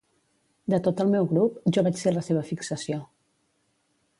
De tot el meu grup, jo vaig ser la seva fixació.